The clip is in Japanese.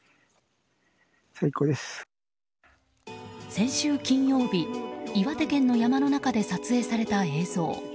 先週金曜日岩手県の山の中で撮影された映像。